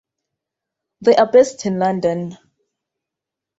They are based in London.